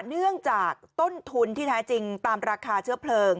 เนื่องจากต้นทุนที่แท้จริงตามราคาเชื้อเพลิง